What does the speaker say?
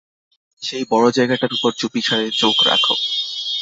সেই বড় জায়গাটার উপর চুপিসাড়ে চোখ রাখ।